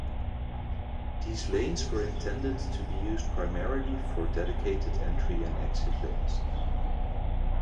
These lanes were intended to be used primarily for dedicated entry and exit lanes.